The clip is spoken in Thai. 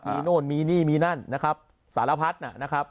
มีโน่นมีนี่มีนั่นนะครับสารพัดนะครับ